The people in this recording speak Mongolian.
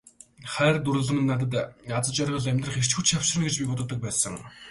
Хайр дурлал минь надад аз жаргал, амьдрах эрч хүч авчирна гэж боддог байсан.